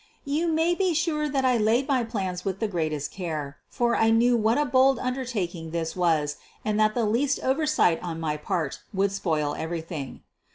You may be sure that I laid my plans with the greatest care, for I knew what a bold undertaking this was and that the least oversight on my part would spoil everything.